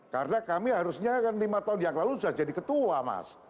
karena kami harusnya lima tahun yang lalu sudah jadi ketua mas